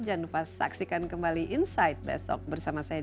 jangan lupa saksikan kembali insight besok bersama saya